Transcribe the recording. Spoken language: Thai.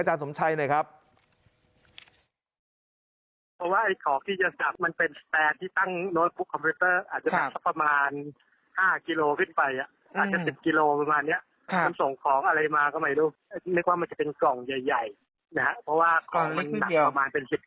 อาจารย์สมชัยหน่อยครับ